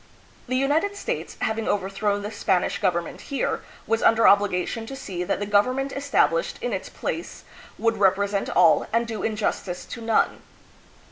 The United States, having over thrown the Spanish government here, was under obliga tion to see that the government established in its place would represent all and do injustice to none.